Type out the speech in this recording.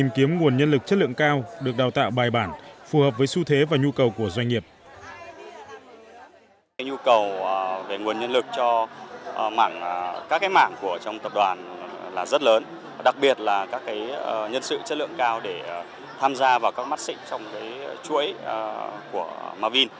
nhiều nhu cầu về nguồn nhân lực cho các mảng trong tập đoàn rất lớn đặc biệt là các nhân sự chất lượng cao để tham gia vào các mắt xịn trong chuỗi của mavin